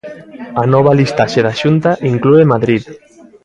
A nova listaxe da Xunta inclúe Madrid.